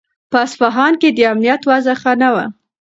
په اصفهان کې د امنیت وضع ښه نه وه.